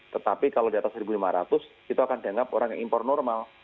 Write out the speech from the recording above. tetapi kalau di atas satu lima ratus itu akan dianggap orang yang impor normal